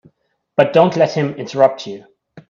But don't let him interrupt you.